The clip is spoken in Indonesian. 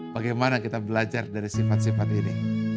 bagaimana kita belajar dari sifat sifat ini